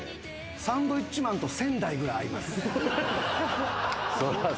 サンドウィッチマンと仙台ぐらい合います。